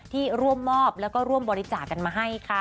ที่ร่วมมอบแล้วก็ร่วมบริจาคกันมาให้ค่ะ